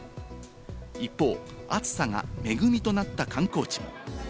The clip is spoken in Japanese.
一方、暑さが恵みとなった観光地も。